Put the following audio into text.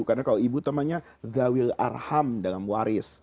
karena kalau ibu namanya dhawil arham dalam waris